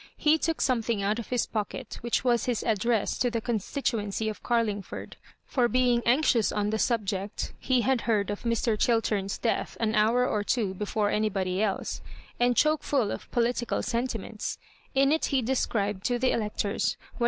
He took something out of his pocket, which was his address to the constituency of Carlingford (for being anxious on the suliseet, he had heard of Mr. Chiltem's death an hour or two before any body else), and chokefuU of political sentiment& In it he described to the electors what.